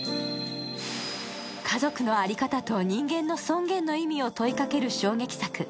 家族の在り方と人間の尊厳の意味を問いかける衝撃作。